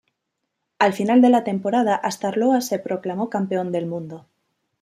Al final de la temporada Astarloa se proclamó Campeón del Mundo.